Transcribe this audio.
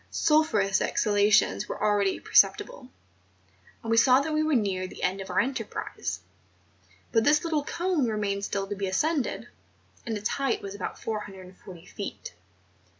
Sulphureous ex¬ halations were already perceptible; and we saw that we were near the end of our enterprise; but this little cone remained still to be ascended, and its height was about 440 feet.